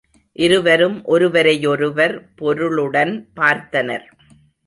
இருவரும் ஒருவரையொருவர் பொருளுடன் பார்த்தனர்.